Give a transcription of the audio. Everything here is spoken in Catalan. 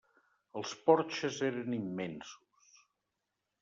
Els porxes eren immensos.